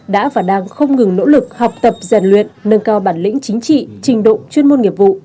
đã và đang không ngừng nỗ lực học tập giàn luyện nâng cao bản lĩnh chính trị trình độ chuyên môn nghiệp vụ